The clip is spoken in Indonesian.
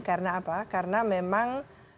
karena apa karena memang